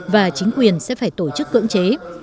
và chính quyền sẽ phải tổ chức cưỡng chế